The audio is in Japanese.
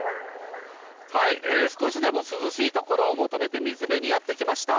少しでも涼しい所を求めて、水辺にやって来ました。